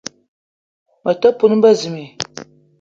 Me te peum bezimbi